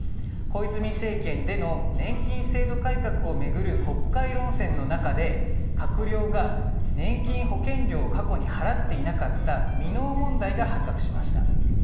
小泉政権での年金制度改革を巡る国会論戦の中で閣僚が年金保険料を過去に払っていなかった未納問題が発覚しました。